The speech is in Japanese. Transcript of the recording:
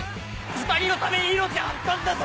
「２人のために命張ったんだぞ」